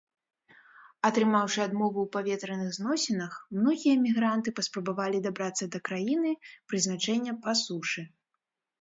Атрымаўшы адмову ў паветраных зносінах, многія мігранты паспрабавалі дабрацца да краіны прызначэння па сушы.